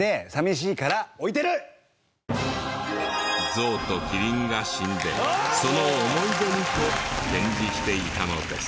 ゾウとキリンが死んでその思い出にと展示していたのです。